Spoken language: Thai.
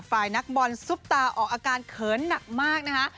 ฝ่ายนักบอลซุปตาออกอาการเขินหนักมากนะคะ